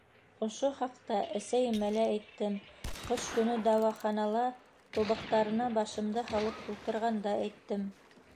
Ошо хаҡта әсәйемә лә әйттем, ҡыш көнө дауаханала тубыҡтарына башымды һалып ултырғанда әйттем.